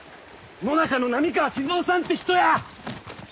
野中の波川志津雄さんって人や！